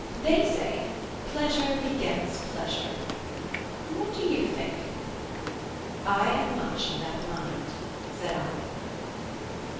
They say, Pleasure begets pleasure. What do you think?" "I am much of that mind," said I.